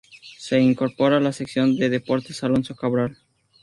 Se incorpora a la sección de Deportes Alonso Cabral.